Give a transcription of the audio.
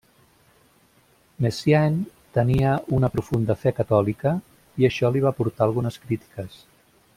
Messiaen tenia una profunda fe catòlica i això li va portar algunes crítiques.